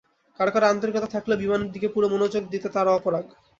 কারও কারও আন্তরিকতা থাকলেও বিমানের দিকে পুরো মনোযোগ দিতে তারা অপারগ।